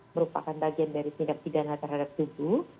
merupakan bagian dari tindak pidana terhadap tubuh